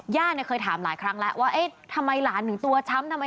ย่าเคยถามหลายครั้งแล้วว่าทำไมหลานถึงตัวช้ำ